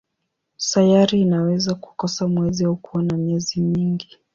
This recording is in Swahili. Sayari inaweza kukosa mwezi au kuwa na miezi mingi.